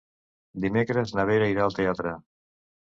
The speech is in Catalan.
Dimecres na Vera irà al teatre.